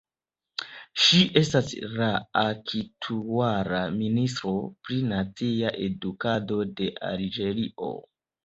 Ŝi estas la aktuala ministro pri nacia edukado de Alĝerio.